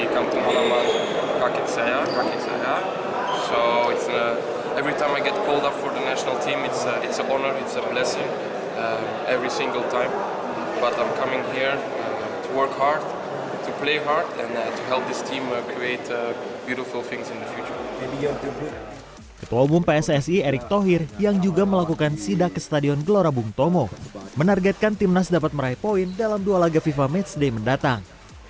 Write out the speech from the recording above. ketua umum pssi erik thohir yang juga melakukan sida ke stadion gelora bung tomo menargetkan tim nas dapat meraih poin dalam dua laga fifa matchday mendatang